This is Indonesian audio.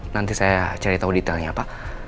nanti saya cari tahu detailnya apa